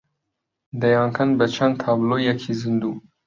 دەیانکەن بە چەند تابلۆیەکی زیندوو